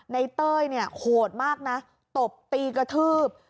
ในเต้ยโหดมากนะตบตีกระทืบ